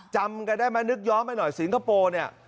จำกันได้ไหมนึกย้อนไปหน่อยสิงคโปร์เนี่ย